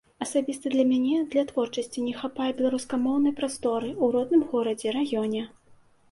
Асабіста для мяне для творчасці не хапае беларускамоўнай прасторы ў родным горадзе, раёне.